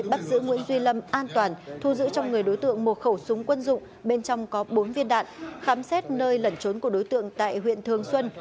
bắt giữ nguyễn duy lâm an toàn thu giữ trong người đối tượng một khẩu súng quân dụng bên trong có bốn viên đạn khám xét nơi lẩn trốn của đối tượng tại huyện thường xuân